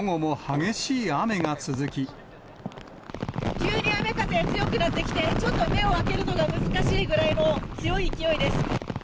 急に雨風強くなってきて、ちょっと目を開けるのが難しいぐらいの強い勢いです。